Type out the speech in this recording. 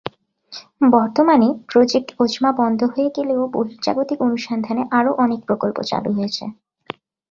বর্তমানে project Ozma বন্ধ হয়ে গেলেও বহির্জাগতিক অনুসন্ধানে আরও অনেক প্রকল্প চালু হয়েছে।